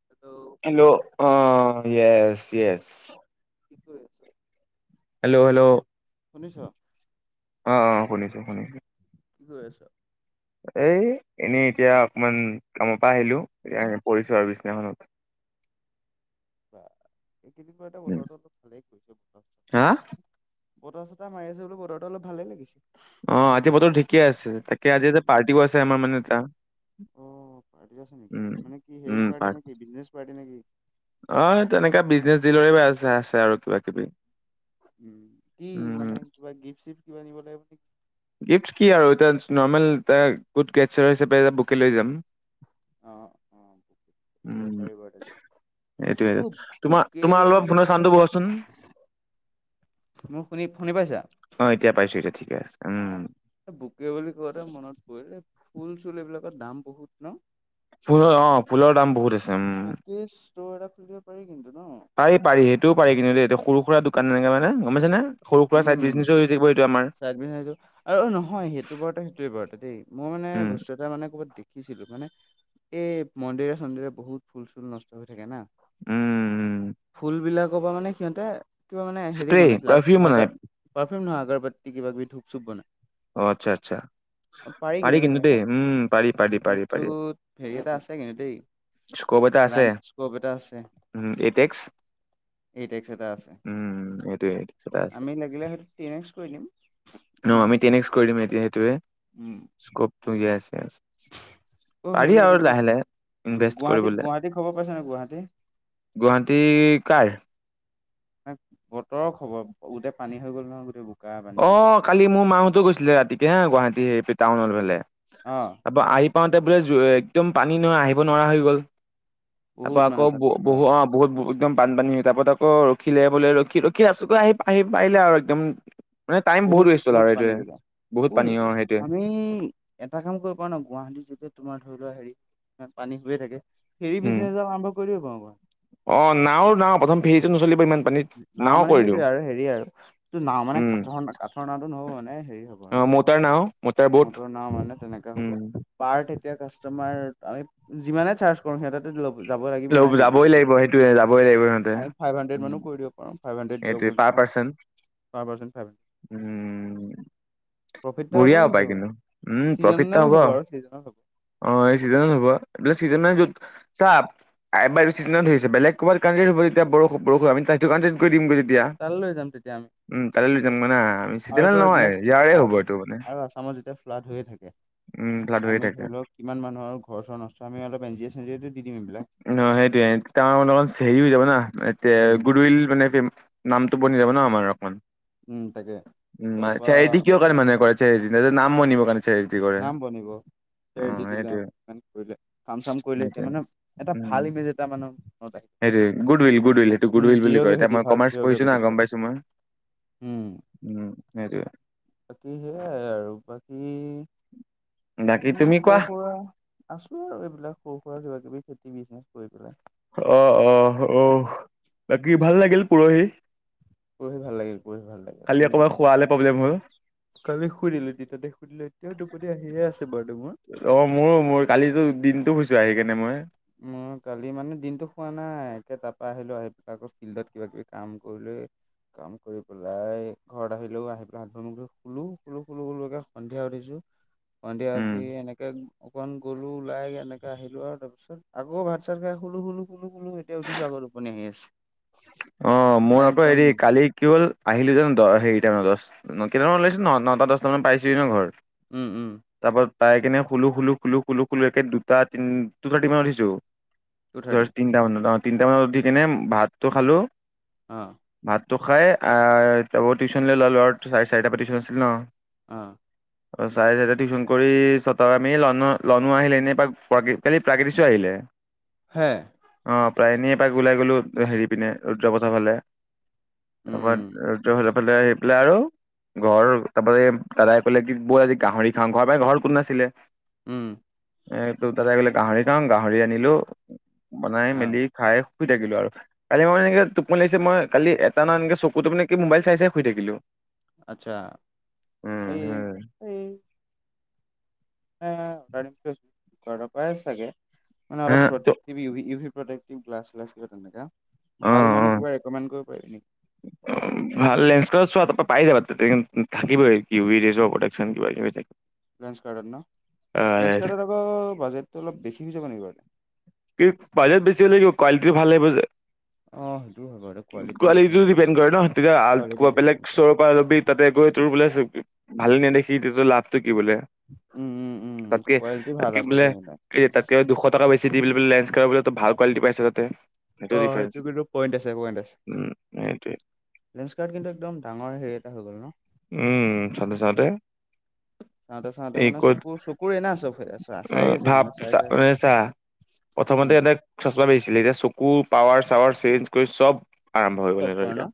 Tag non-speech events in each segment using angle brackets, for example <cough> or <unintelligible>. <unintelligible> Hello অ', yes yes. কি কৰি আছ'? Hello, hello. শুনিছ'? অ', অ', শুনিছো, শুনিছো। কি কৰি আছ'? এই এনেই এতিয়া অকমান কামৰ পৰা আহিলো, এতিয়া এ পৰিছো আৰু বিছনাখনত। বা এইকেইদিন <unintelligible> উম বতৰটো অলপ ভালেই কৰিছে, বতাহ হা আছে বতাহ-চতাহ মাৰি আছে বোলো, বতৰটো অলপ ভালেই লাগিছে। অ', আজি বতৰ ঠিকে আছে, তাকে আজি যে পাৰ্টিও আছে আমাৰ মানে এটা। অ', পাৰ্টি আছে নেকি, উম মানে কি উম হেৰি পাৰ্টি পাৰ নেকি বিজনেছ পাৰ্টি নেকি? অ', তেনেকুৱা বিজনেছ ডিলৰে আছে, আছে আৰু কিবা কিবি। উম, কি উম মানে কিবা গিফ্ট চিফ্ট কিবা নিব লাগিব নি? গিফ্ট কি আৰু, এটা নৰ্মেল এটা গুড <unintelligible> হিচাপে এটা বুকে লৈ যাম। অ', অ'। উম পাৰিব এইটোয়ে তোমাৰ বোকে, তোমাৰ অলপ বুলি ফোনৰ কওঁতে চাউণ্ডটো বঢ়োৱাচোন মই শুনি, শুনি পাইছা? অ', এতিয়া পাইছো, এতিয়া ঠিকে আছে উম। এ বুকে বুলি কওঁতে মনত পৰিল, ফুল চুল এইবিলাকৰ দাম বহুত নহ। ফুলৰ অ', ফুলৰ দাম বহুত আছে, উম। বুকে ষ্ট'ৰ এটা খুলিব পাৰি কিন্তু নহ। পাৰি পাৰি সেইটোও পাৰি কিন্তু দেই, এইটো সৰু সুৰা দোকান এনেকে মানে গ'ম পাইছে নে। সৰু সুৰা উম, চাইদ বিজনেছও হয় থাকিব এই <unintelligible> আৰু নহয় সেইটো বৰতে সেইটোৱে বাৰু, মই মানে উম বস্তু এটা মানে ক'ৰবাত দে দেখিছিলো, মানে এই মন্দিৰে চন্দিৰে বহুত ফুল চুল নষ্ট হৈ থাকে না। উম ফুল বিলাকৰ পৰা মানে সিহঁতে, কিবা মানে হেৰি স্প্ৰে বনাইছিলে পাৰফিউম বনাই পাৰ্ফিউম নহয়, আগৰবৰ্তি কিবা কিবি ধূপ চুপ বনাই। অ', আচ্ছা, আচ্ছা। অ', পাৰি কিন্তু ন' দেই তেনাকা, উম পাৰি পাৰি পাৰি বিজনেচটো পাৰি হেৰি এটা আছে কিন্তু দেই। স্ক'প এটা আছে। লাইন স্কপ এটা আছে উম, এইট এক্স। এইট এক্স এটা আছে উম, এইটোৱেই। আমি লাগিলে সেইটো টেন এক্স কৰি দিম। একো অ', নাই আমি টন এক্স কৰি দিম, সেইটো সেইটোৱে উম স্ক'পটো যে আছে। অ', হেৰি <unintelligible> উম' ইনভেষ্ট গুৱাহাটী কৰিবলে গুৱাহাটী খবৰ পাইছা নাই গুৱাহাটী। গুৱাহাটী কাৰ? <unintelligible> বতৰৰ খবৰ, গোটেই পানী হৈ গ'ল নহয় গোটেই পানী হৈ গ'ল অ', কালি মোৰ মাহঁতো গৈছিলে ৰাতি <unintelligible> গুৱাহাটী, <unintelligible> টাউনৰ ফালে। অ'। তাৰপৰা আহি পাওঁতে বোলে, একদম পানী নহয় আহিব নোৱাৰা হৈ গ'ল। বহুত তাৰপৰা মানে আকৌ তাত কিবা ব-বহু বহুত একদম বানপানী হল, তাৰপত আকৌ ৰখিলে বোলে ৰখি ৰখি আছো আহি আহি পাৰিলে আৰু একদম মানে টাইম বহুত ৱেষ্ট হ'ল বহুত আৰু পানী এইটোৱে বোলে, বহুত উই পানী অ সেইটোৱে আমি এটা কাম কৰিব পাৰো ন' গুৱাহাটী যেতিয়া তোমাৰ ধৰি লোৱা হেৰি পানী হৈয়ে থাকে হেৰি উম বিজনেছ এটা আৰম্ভ কৰি দিব পাৰু। অ', নাও, নাও প্ৰথম ফেৰীটো নচলিব ইমান পানীত। নাও মানে কৰি দিওঁ সেইটোৱে, আৰু হেৰি আৰু। এইটো নাও মানে, উম কাঠৰ-কাঠৰ নাওটো নহ'ব মানে হেৰি হ'ব অ আৰু মটাৰ নাও মটাৰ বোট মটৰ নাও মানে তেনেকা হ'ব। উম পাৰ' তেতিয়া কাচটোমাৰ আমি যিমানেই চাৰ্জ কৰো সিঁহতেতো যাব লাগিব লব নাই যাবই ডিউটি-চিউটি, লাগিব সেইটোয়ে যাবই লাগিব সিহঁতে আমি ফাইভ হানড্ৰেড উম মানো কৰি দি ফাইভ হাড্ৰেড দিয়ক এইটোৱে বুলি পাৰ ক'ম, পাৰ্চন পাৰ' পাৰচোন <unintelligible> উম প্ৰফিটো হ'ব বঢ়িয়া উপায় কিন্তু, উম প্ৰফিট চিজনৰ এটা টাইমত হ'ব আৰু চিজনত হ'ব। অ', এই চিজনত হ'ব চিজনে য'ত ছা <unintelligible> বেলেগ <unintelligible> কৰি দিমগৈ তেতিয়া। তালৈ লৈ যাম তেতিয়া আমি। উম, তালৈ লৈ যাম <unintelligible> না আমি আৰু চিজনেল তো নহয় এইবিলাক ইয়াৰে হ'ব এইটো মানে। আৰু আছামত যেতিয়া ফ্লাড হৈয়ে থাকে উম, <unintelligible> <unintelligible> কিমান মানুহৰ ঘৰ নষ্ট আমি অলপ এঞ্জিও চেঞ্জিওতো দি দিম এইবিলাক। অ', সেইটোৱে <unintelligible> হেৰি হৈ যাব না এ উম গুড উইল মানে নামটো বনি যাব ন আমাৰ অকমান, উম তাকে উম, তাৰপা চেৰেটি কিয় <unintelligible> চেৰেটি না নাম মই নিব কাৰণে চেৰিটি কৰে নাম বনিব অ চেৰিটি দিলে সেইটোৱে <unintelligible> কৰিলে কাম চাম কৰিলে তেতিয়া সেইটোৱে মানে এটা ভাল ইমেজ এটা মানে <unintelligible> সেইটো গুড উইল, গুড উইল সেইটো গুড উম উইল বুলি জিৰ' কয় এতিয়া গ্ৰেভিটি মই ভাল কমাৰ্চ জিৰ' পঢ়িছো না গ্ৰেভিটি বোলে গ'ম পাইছো মই। উম উম, সেইটোৱে। বাকী সেয়াই আৰু বাকী। বাকী এনেই তুমি কোৱা সৰু সুৰা আছো আৰু এইবিলাক সৰু সুৰা কিবা কিবি খেতি বিজনেচ কৰি পেলাই। অ', অ', উম, বাকী ভাল লাগিল পৰহি। পঢ়ি ভাল লাগিল, পঢ়ি ভাল লাগিল। খালি আমি অকবমান খোৱালে প্ৰব্লেম হ'ল। কালি শুই দিলো তিতাতে শুই দিলো এতিয়াও টোপনি আহিয়ে আছে বাৰু মোৰ। অ', মোৰো মোৰ কালিতো দিনতটো শুইছো আহি কিনে মই। মোৰ কালি মানে দিনটো হোৱা নাই একে তাৰপা আহিলো আহি পাই আকৌ ফিল্ডত কিবা কিবি কাম কৰিলে কাম কৰি পেলাই ঘৰত আহিলোঁ আহি পেলাই হাত ধন মু ধুলো শুলোঁ শুলো কোকে সন্ধিয়া উঠিছোঁ সন্ধিয়া উম। উঠি এনেকে অকনমান গ'লো ওলাই এনেকে আহিলো আৰু তাৰপিছত আকৌ ভাত চাই খাই শুলো, শুলো এতিয়া উঠছো আৰ টোপনি আহি আছে। অ', মানে মোৰ আকৌ একদম হেৰি কালি কি হ'ল আহিলো জানো হেৰিট নটা দহ কেইটামান ওলাইছো নটা দহটামান পাইছোঁ ঘৰ উম, উম তাৰপা পাই কিনে খুলো খুলো একে দুটা তিনি টু থাৰ্টি মান উঠিছোঁ। টু থাৰ্টি তিনটা মানত অ', তিনটামানত উঠি কেনে ভাতটো খালো অ'। ভাতটো খাই আহ ত টিউচনৈ ল'লো আৰু চাৰে চাৰিটাৰ পৰা টিউচন আছিলে ন। অহ। অ', চাৰে চাই টিউচন কৰি চতা আমি লো লনো আহিলে এনেই খালি প্ৰাকৃতিচ আহিলে হে। অ', প্ৰায় এনে এপাক ওলাই গ'লো হেৰি পিনে ৰুদ্ৰপচৰ ফালে উম তাৰপা হাল ফালে আহি পেলাই আৰু ঘৰ তাৰপাতে দাদাই কলে কি বৌ আজি গাহৰি খাওঁ ঘৰ পৰা ঘৰ কোন নাছিলে উম। এ তোৰ তাতে গ'লে গাহৰি খাওঁ গাহৰি আনিলো বনাই অ মেলি খাই শুই থাকিলো আৰু কালি মান এনেক টোপনি লাগিছে মই কালি এটা ন একে চকুটো মানে কি মোবাইল চাই চাই শুই থাকিলোঁ। আচ্ছা এই হম এই <unintelligible> ঘৰৰ পৰা চাগে মানে হা অলপ ত ই ইউ ভি প্ৰটেক্টিভ গ্লছ্লাছ তেনেকা অ ভাল অ মানে কিবা ৰেকমেণ্ড কৰিব পাৰি নেকি <inaudible> ভাল লেনস্ কাৰ্ট চোৱা তাৰ পৰা পাই যাবা থাকিবই কি উ বি <unintelligible> প্ৰেকন কিবা কিবি থাকিব। লেঞ্চ কাৰ্ডত ন লেঞ্চ আহ, কাৰ্ডত আকৌ বাজেটটো অলপ বেছি হৈ যাব নেকি বাৰু। কি বজেট বেছি হ'লে কি কোৱালিটি ভাল আহিব যে। অ সেইটো হয় বাৰু কোৱালিটি কোৱালিটিটো মেইন ডিপেণ্ড কৰে ন তেতিয়া কোৱালিটি ডিপেণ্ড কৰে <unintelligible> <unintelligible> তাতে গৈ তোৰ বোলে ভালে নেদেখি তোৰ লাভটো কি বোলে উম উম উম তাতকে কোৱালিটি ভাল তাতকে আকৌ বোলে দেই মানে। এই তাতকে দুশ টকা বেছি দি বোলে লেঞ্চকাৰ্তট বোলে ভাল কোৱালিটি পাইছে তাতে সেইটো অ ডিফাৰেঞ্চ কিন্তু পইণ্ট উম সেইটোৱে লেঞ্চকাৰ্ত কিন্তু একদম ডাঙৰ হেৰি এটা হৈ গ'ল ন উম চাওঁতে চাওঁতে চাওঁতে চাওঁতে এই মানে ক'ত চকুৰ চকুৰে না চব চাই আছে ভাৱ সিঁহতে চাই চা চাই মানে চা প্ৰথমতে উম এটাক চচমা বেছিছিল এতিয়া চকু পাৱাৰ চাৱাৰ চেঞ্জ কৰি চব আৰম্ভ হৈ গ'ল চব কৰে ন এতিয়া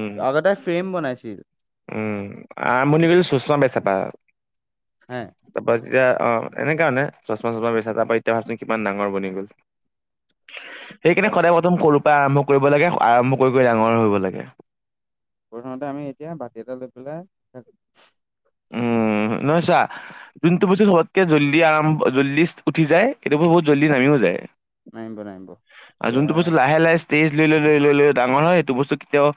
উম আগতে ফ্ৰেম বনাইছিল উম আৰম্ভণি কৰিছিল চছমা বেচাৰ পৰা হে তাৰপৰা এতিয়া অ', এনে কাৰণে চশমা চশমা বেছা তাৰপৰা এতিয়া ভাবচোন কিমান ডাঙৰ বনি গ'ল বা সেইকাৰণে সদায় প্ৰথম সৰুৰ পৰা আৰম্ভ কৰিব লাগে আৰম্ভ কৰি কৰি ডাঙৰ হব লাগে প্ৰথমতে আমি এতিয়া বাতি এটা লৈ পেলাই তাক উম নহয় ছা যোনটো বস্তু চবতকে জল্দি আৰম জল্দি উঠি যায় সেইটো বস্তু বহুত জল্দি নামিও যায় নামিব নামিব। আৰু এতিয়া যোনটো বস্তু লাহে লাহে ষ্টেজ লৈ লৈ লৈ লৈ লৈ ডাঙৰ হয় সেইটো বস্তু কেতিয়াও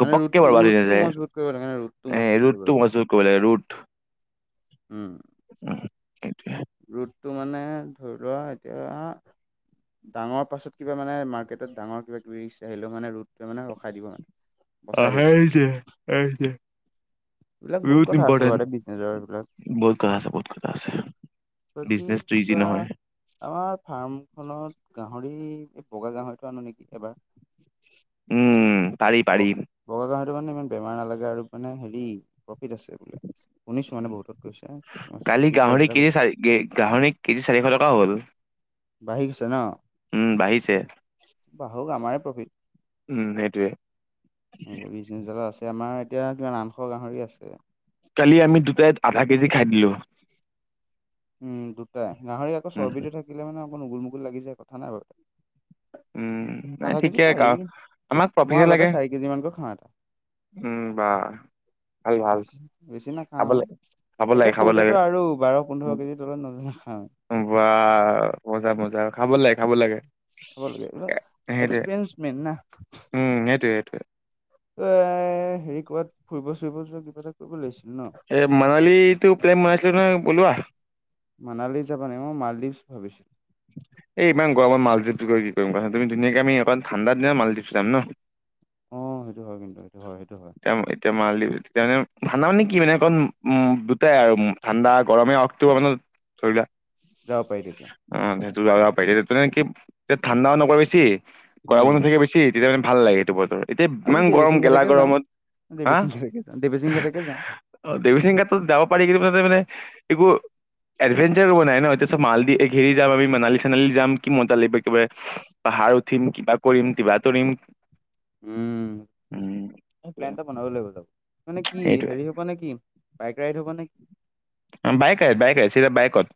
মানে ঘপকে ৰুটটো বৰবাদ হয় ৰুটটো যায়, মজবুত কৰিব লাগে ৰুটটো এ মজবুত কৰিব ৰুটটো লাগে। মজবুত কৰিব লাগে ৰুট উম উম সেইটোয়ে ৰুতটো মানে ধৰি লোৱা এতিয়া ডাঙৰ পাছত কিবা মান মাৰ্কেটত ডাঙৰ কিবা কিবি ৰিক্স আহিলেও মানে ৰুতটোৱে মানে ৰখাই দিব মানে। বচাই অ', দিব। সেইটোৱেই সেইটোৱেই এইবিলাক বহুত কথা আছে বাৰুতে বিজনেছৰ এইবিলাক বহুত কথা আছে বহুত কথা আছে। বাকী বিজনেচটো ইজি বা নহয় <inaudible> উম পাৰি পাৰি বগা গাহৰিটো মানে ইমান বেমাৰ নালাগে আৰু মানে হেৰি প্ৰফিট আছে বোলে শুনিছো মানে বহুতত কৈছে ৰিচাৰ্ছ এটাত কি গাহৰি কেজি চাৰিশ টকা হ'ল। বাঢ়ি গৈছে নহ উম বাঢ়িছে। বাঢ়োক আমাৰে প্ৰফিট উম সেইটোৱে <unintelligible> আছে আমাৰ এতিয়া কিমান আঠশ গাহৰি আছে। কালি আমি দুটাই আধা কেজি খাই দিলো উম দুটাই গাহৰি আকৌ উম চৰ্বিটো থাকিলে মানে অকন ওগুল মুগুল লাগি যায় কথা নাই বাৰু উম নাই আধা ঠিকে কেজি কা পাৰি আমাক মই প্ৰফিটে লাগে আগতে চাৰি কেজি মানকৈ খাওঁ এটা। উম বা ভাল ভাল। বেছি বেছি খাব নাখাওঁ লাগে খাব একে লাগে খাব লাগে সৰুতেটো আৰু বাৰ, পোন্ধৰ কেজিৰ তলত নাখাও বা মজা মজা খাব লাগে খাব লাগে। খাব লাগে এ- সেইটোৱে এক্সপ্ৰিৰেন্ঞ্চ মেন না উম সেইটোৱে সেইটোৱে এ হেৰি কৰ'বাত ফুৰিব ফুৰিব যোৱা কিবা এটা কৰিব লাগিছিল ন এই মানালীতো প্লেন বনাইছিলোঁ নহয় উলোৱা। মানালী যাবা নে মই মালদ্বীপ ভাবিছিলোঁ। এই ইমান গৰমত মালদীপছ গৈ কি কৰিম কোৱাচোন তুমি ধুনীয়াকে আমি অকণ ঠাণ্ডা দিনত মালদ্বীপ যাম ন। অ', সেইটো হয় কিন্তু সেইটো হয় সেইটো হয়। তেতিয়া মাৰি তেতিয়া মানে ঠাণ্ডা মানে কি মানে অকণ উম দুটাই আৰু ঠাণ্ডা গৰমে অক্টোবৰ মানত ধৰি লোৱা যাব পাৰি তেতিয়া। অ', সেইটো য যাব পাৰি। তেতিয়া কি ঠাণ্ডাও নপৰে বেছি, গৰমো উম নাথাকে বেছি। তেতিয়া মানে ভাল লাগে, সেইটো বতৰে। এতিয়া আমি ইমান গৰম, বেচিং গেলা ঘাটকে যাওঁ গৰমত, হা? দেৱীচিং ঘাটকে যাম দেৱীচিং ঘাটকে যাম অ', দেৱী সিং গাতত যাব পাৰি, কিন্তু মানে একো এডভেঞ্চাৰ নাই ন, এতিয়া মাল ঘেৰি যাম, আম মালী চানালী যাম। কি মজা লাগিব কিবাৰে পাহাৰ উঠিম, কিবা কৰিম কিবা তৰিম উম্, উম প্লেন টো বনাব লাগিব যাব। মানে কি সেইটোৱে হেৰি মানে কি? বাইক ৰাইড হ'ব নেকি? Bike ride, bike ride. চিধা বাইকত।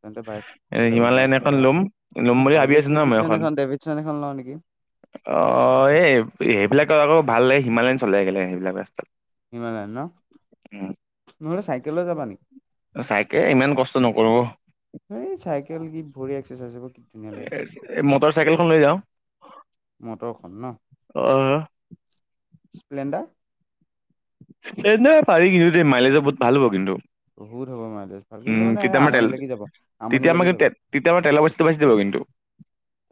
তেন্তে বাইক এ ল'ব লাগিব মই হিমালয়ন এতিয়া এখন ল'ম, ল'ম মই বুলি ভাবি হাৰ্লি আছোঁ ন মই ডেভিডচন এখন। ডেভিডচন এখন লওঁ নেকি অ', এই সেইবিলাক আকৌ ভালাগে হিমালয়ন চলোই গ'লে, সেইবিলাক ৰাস্তাত। হিমালয়ান ন, উম নহ'লে চাইকেল লৈ যাবা নেকি? চাইকেল ইমান কষ্ট নকৰোঁ অ'। এই চাইকেল কি ভৰি এক্সাৰচাইজ হ'ব, কি ধুনীয়া লাগিব। এই মটৰ চাইকেলখন লৈ অ',। মটৰখন ন স্প্লেণ্ডাৰ। পাৰি কিন্তু দেই মাইলেজৰ বহুত ভাল হ'ব কিন্তু। বহুত হ'ব মাৰজ ভাল, উম কিন্তু মানে আমনি লাগি যাব, আমনি তেতিয়া আমাৰ লাগি কিন্তু যাব। তে- তেতিয়া আমাৰ তেল পইচাটো বাচি যাব কিন্তু।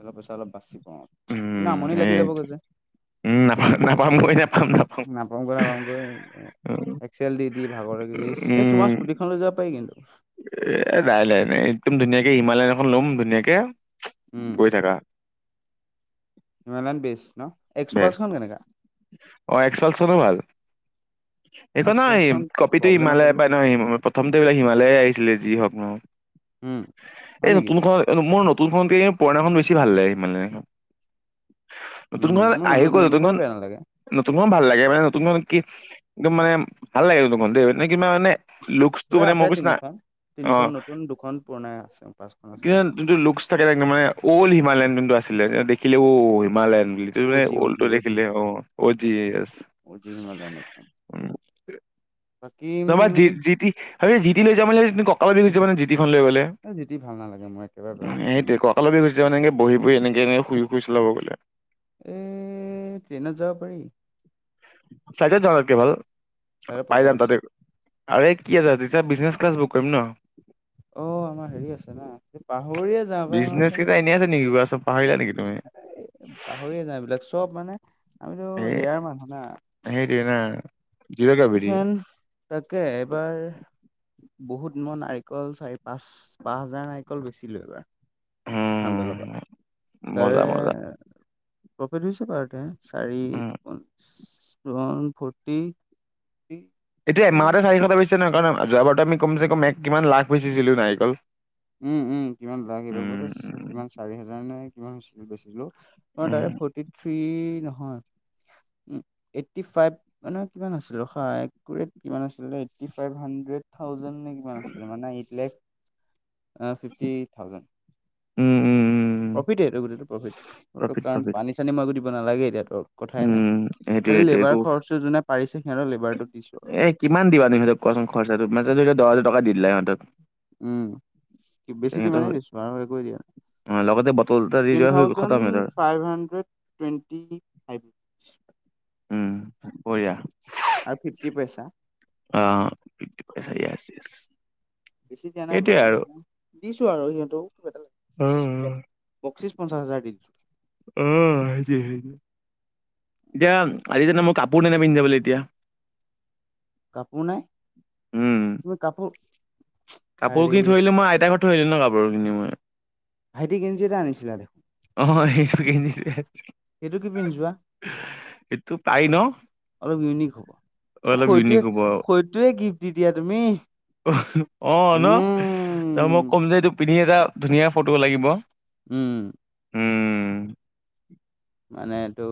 তেলৰ পইচা অলপ বাছিব অ', আৰু কিন্তু আমনি লাগি যাবগৈ যে। উম্, নাপাওঁগৈ, নাপাওঁগৈ। এক্সেল দি দি ভাগৰ লাগিছে, এ তোমাৰ উম স্কুটিখন লৈ যাব পাৰি কিন্তু। এ নাই নাই নাই, একদম ধুনীয়াকে হিমালয়ন এখন ল'ম ধুনীয়াকে উম গৈ থকা। হিমালয়ান বেষ্ট ন। বেষ্ট, এক্সপালছখন কেনেকা অ', এক্সপালচ খনো ভাল। এই খন, এক্সপালছখন কপিতটো প্ৰব্লেম আছে হিমালয়ে বুলি পাই ন, শুনিছোঁ প্ৰথমতে এইকো হিমালয়ে আহিছিলে, যি হওঁক নহ। উম্, এই নতুনখন, মোৰ নতুনখনতকে পুৰণাখন বেছি ভাল লাগে, সিমানে এখন উম্, মোৰ নতুন খনো বেয়া নালাগে। নতুনখন ভাল লাগে, মানে নতুনখন কি একদম মানে ভাল লাগে। নতুনখন দেই মে কিবা মানে। লু্কচটো মুঠতে মানে, আছে মোৰ পছিনা। তিনিখন তিনিখন অ', নতুন দুখন পুৰণাই আছে পাঁচখন আছে কি হ'ল হিমালয়ান অল্ মানে অল্ হিমালয়ন যোনটো আছিলে। দেখিলে অ'ও হিমালয়েন বুলি। মানে অজি উল্ট, অজি অজি দেখিলে অ', যিয়েছ অজি হিমালয়ান একদম বাকী তাপা জি, উম জিটি। আমি জিটি খন লৈ যোৱা মানে ককালৰ বিষ হৈ যাব নহয়, লৈ গ'লে। জিতি ভাল নালাগে, মই একেবাৰে ব ভাল নাপাওঁ। ককালৰ বিষ হৈছে মানে, বহি বহি এনেকে এনেকে শুই শুই চালাব গ'লে। এই, ট্ৰেইনত যাব পাৰি। ফ্লাইটত যোৱায়ে ভাল। ফ্লইটত পাই পইচা যাম বেছি। তাতে আৰে এই কি আছে, তেতিয়া বিজনেছ ক্লাছ বুক কৰিম ন। অ', আমাৰ হেৰি আছে না। পাহৰিয়ে যাওঁ পাই আমাৰ। ন পাহৰিলা নেকি তুমি? পাহৰি যাওঁ, এইবলাক চব মানে। আমিতো এই ৰেয়াৰ মানুহ না। সেইটোৱে না। জিৰ' গ্ৰেভিটি এইখন, তাকে এবাৰ। বহুত, মই নাৰিকল চাৰি পাঁচ, পাঁচ হাজাৰ নাৰিকল বেছিলোঁ এইবাৰ। উম <unintelligible> তাৰে মজা মজা প্ৰফিট হৈছে বাৰতে চাৰি উম। ওঁৱান ফৰ্টি কি? এতিয়া এমাহতে চাৰিশটা বেচিছে নহয়, কাৰণ অ-যোৱা বাৰত আমি কমচে কম এক কিমান লাখ বেচিছিলো নাৰিকল। উম উম। কিমান লাখ, এইবাৰ বতে উম চ-কিমান চাৰি হাজাৰ নে কিমান বেছি-বেছিলো। অ', উম উম তাৰে ফৰ্টি থ্ৰী নহয়, উ এইটট ফ মানে কিমান আছিলৰে কি আছিল এইট ফ হাড্ৰেড, থাউজেণ্ড নে কিমান আছিলে, মানে এইট লেখ এ-ফিফটি থাউজেণ্ড। উম, উম, উম। প্ৰফিটেই এইটো গোটেইটো প্ৰফিট। <unintelligible> প্ৰফিট কাৰণ প্ৰফিট পানী চানী মই একো দিব নালাগে এতিয়াতো। কথাই নাই। উম সেইটোৱে খালি সেইটোৱে একো লেবাৰ খৰছটো যোনে পাৰিছে, সিহঁতৰ লেবাৰটো দিছো আৰু। এ কিমান দিবা তুমি ইহঁতক কোৱাচোন, খৰছাটো। <unintelligible> দহহাজাৰ টকা দি দিলা ইহঁতক। উম। কি বেছি তিমানে দিছো আৰু একো দিয়া নাই। অ লগতে বটল এটা দি টেন দিয়া হৈ গ'ল খতম থাউজণ্ড সিহঁতৰ ফাইভ হাণ্ড্ৰেড, টুৱেণ্টি ফাইভ। উম, বঢ়িয়া। আৰু ফিফটি পইছা। অ', ফিফটি পইছা, য়েছ য়েছ। বেছি দিয়া নাই সেইটোৱে বাৰুতে, আৰু দিছো আৰু সিহঁতৰো এটা অ <unintelligible> বক্চিচ পঞ্চাছহাজাৰ দি দিছোঁ। অ', হেইটি হেইটি। এতিয়া আজি যোননা মোৰ কাপোৰ ন ননা পিন্ধিব বোলে এতিয়া। কাপোৰ নাই? উম তুমি কাপোৰ কাপোৰ আৰে খিনি থৰিলো মইতাক ঘৰত থৈ আহলো ন কাপোৰখিনি মই ভাইটি গেঞজি এটা আনিছিলা দেখোন। অ, সেইটো কি পিন্ধছোৱা সেইটো পাই ন। অলপ ইউনিক হ'ব অ অলপ সৈটোৱে ইউনিক হ'ব সৈটোৱে গিফ্ট দি দিয়া তুমি অ ন ত মই উম। ক'ম যে এইটো পিন্ধি এটা ধুনীয়া ফটো লাগিব। উম, উম, মানেটো